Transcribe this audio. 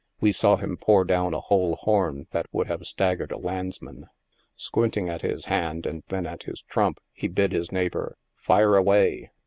We saw him pour down a wholesome horn that would have staggered a landsman. Squinting at his hand and then at his trump, he bid his neighbor " fire away."